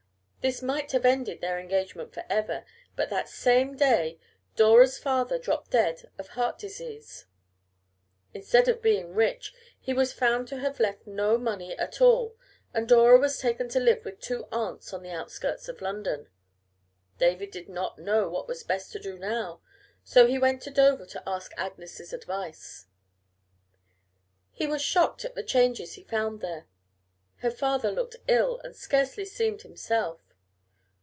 This might have ended their engagement for ever, but that same day Dora's father dropped dead of heart disease. Instead of being rich he was found to have left no money at all, and Dora was taken to live with two aunts on the outskirts of London. David did not know what was best to do now, so he went to Dover to ask Agnes's advice. He was shocked at the changes he found there. Her father looked ill and scarcely seemed himself.